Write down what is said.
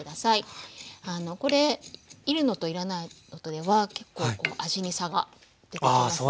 これ煎るのと煎らないのとでは結構味に差が出てきますので。